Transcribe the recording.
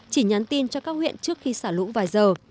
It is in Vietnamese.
chỉ nhắn tin cho các huyện trước khi xả lũ vài giờ